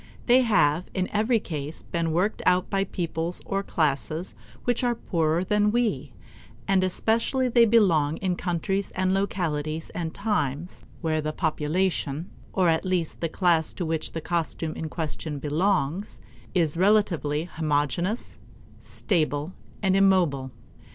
They have in every case been worked out by peoples or classes which are poorer than we, and especially they belong in countries and localities and times where the population, or at least the class to which the costume in question belongs, is relatively homogeneous, stable, and immobile.